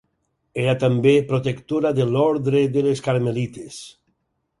Era també protectora de l'ordre de les carmelites.